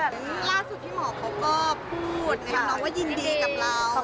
ล่าสุดพี่หมอเขาก็พูดในธรรมนองว่ายินดีกับเรา